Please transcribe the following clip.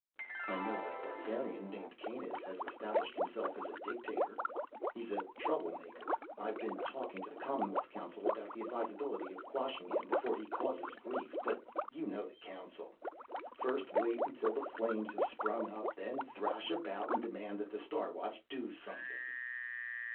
"I know that a barbarian named Kanus has established himself as a dictator. He's a troublemaker. I've been talking to the Commonwealth Council about the advisability of quashing him before he causes grief, but you know the Council ... first wait until the flames have sprung up, then thrash about and demand that the Star Watch do something!"